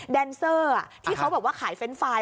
แดนเซอร์ที่เขาบอกว่าขายเฟรนด์ไฟล์